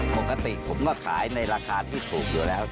ปกติผมก็ขายในราคาที่ถูกอยู่แล้ว